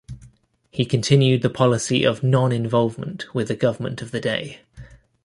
He continued the policy of non-involvement with the government of the day.